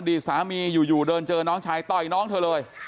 อดีตสามีอยู่อยู่เดินเจอน้องชายต้อยน้องเธอเลย